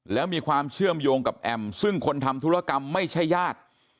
แล้วมีความเชื่อมโยงกับแอมซึ่งคนทำธุรกรรมไม่ใช่ญาติ